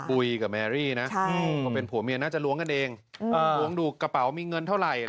คุยกับแมรี่นะก็เป็นผัวเมียน่าจะล้วงกันเองล้วงดูกระเป๋ามีเงินเท่าไหร่